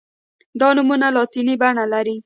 دا نومونه لاتیني بڼه لري.